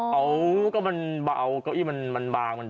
เขาก็มันเบาเก้าอี้มันบาง